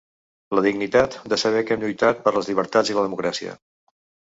La dignitat de saber que hem lluitat per les llibertats i la democràcia.